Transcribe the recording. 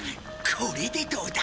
これでどうだ。